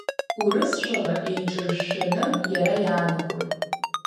Урысшәала еиҿыршәшәаны иара иаанагоит…